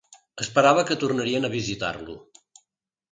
Esperava que tornaríem a visitar-lo